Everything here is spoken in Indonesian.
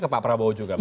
ke pak prabowo juga pak